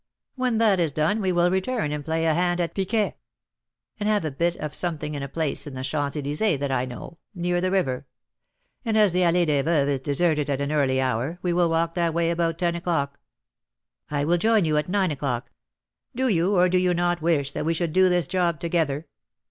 When that is done, we will return and play a hand at piquet, and have a bit of something in a place in the Champs Elysées that I know, near the river; and, as the Allée des Veuves is deserted at an early hour, we will walk that way about ten o'clock." "I will join you at nine o'clock." "Do you or do you not wish that we should do this job together?"